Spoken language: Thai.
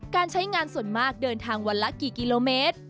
การใช้งานส่วนมากเดินทางวันละกี่กิโลเมตร